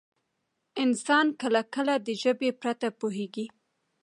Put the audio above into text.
انسان کله کله د ژبې پرته پوهېږي.